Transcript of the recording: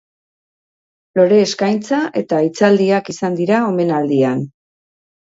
Lore eskaintza eta hitzaldiak izan dira omenaldian.